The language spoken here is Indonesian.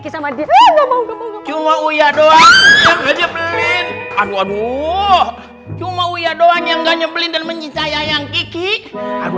sama dia cuma uya doang aja aduh cuma uya doang yang gak nyebelin dan mencintai ayam kiki aduh